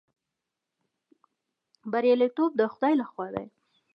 بریالیتوب د خدای لخوا دی